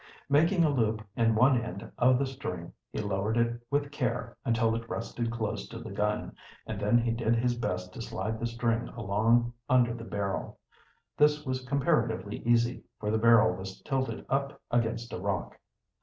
Making a loop in one end of the string he lowered it with care, until it rested close to the gun, and then he did his best to slide the string along under the barrel. This was comparatively easy, for the barrel was tilted up against a rock.